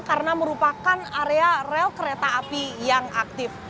karena merupakan area rel kereta api yang aktif